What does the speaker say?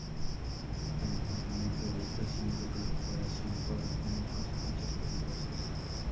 El incumplimiento de esta simple preparación puede tener consecuencias peligrosas.